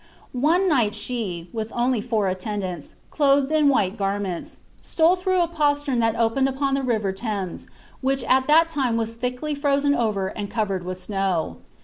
One night she, with only four attendants, clothed in white gar ments* stole through a postern that opened upon the river Thames, which at that time was thickly frozen over and covered with snow.'